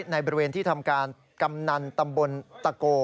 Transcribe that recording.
ในบริเวณที่ทำการกำนันตำบลตะโก